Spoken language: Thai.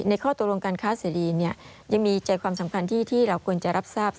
ข้อตกลงการค้าเสรียังมีใจความสำคัญที่เราควรจะรับทราบ